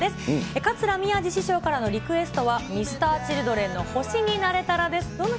桂宮治師匠からのリクエストは、Ｍｒ．Ｃｈｉｌｄｒｅｎの星になれたらです。